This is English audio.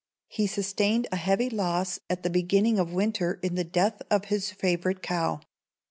He sustained a heavy loss at the beginning of winter in the death of his favorite cow.